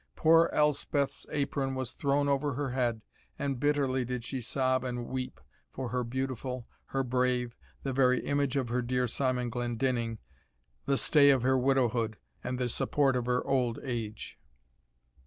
Poor Elspeth's apron was thrown over her head, and bitterly did she sob and weep for "her beautiful, her brave, the very image of her dear Simon Glendinning, the stay of her widowhood and the support of her old age."